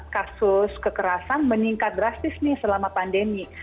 kasus kekerasan meningkat drastis nih selama pandemi